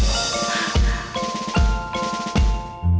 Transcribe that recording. dan kamu harus beri komputer aku